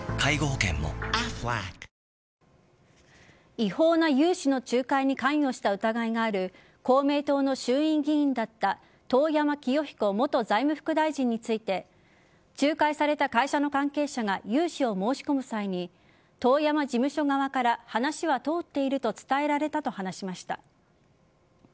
違法な融資の仲介に関与した疑いがある公明党の衆院議員だった遠山清彦元財務副大臣について仲介された会社の関係者が融資を申し込む際に遠山事務所側から話は通っていると伝えられたと話しました。